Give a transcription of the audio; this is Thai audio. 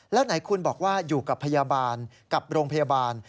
แล้วไหนคุณบอกว่าอยู่กับพยาบาลกับโรงพยาบาล